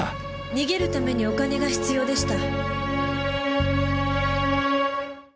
逃げるためにお金が必要でした。